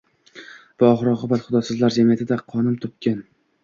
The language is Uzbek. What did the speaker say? va oxir-oqibat “xudosizlar jamiyati”da qo’nim topgan